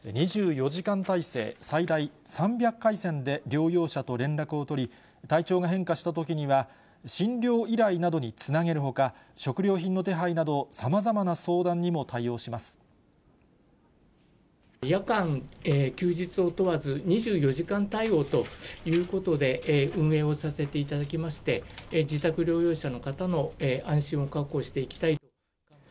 ２４時間体制、最大３００回線で療養者と連絡を取り、体調が変化したときには、診療依頼などにつなげるほか、食料品の手配など、さまざまな相夜間、休日を問わず、２４時間対応ということで、運営をさせていただきまして、自宅療養者の方の安心を確保していきたい。